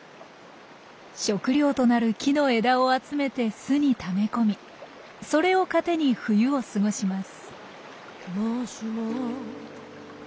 食料となる木の枝を集めて巣にため込みそれを糧に冬を過ごします。